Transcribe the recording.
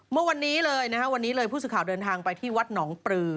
เมื่อวานนี้เลยนะฮะวันนี้เลยผู้สื่อข่าวเดินทางไปที่วัดหนองปลือ